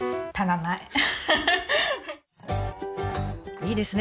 いいですね！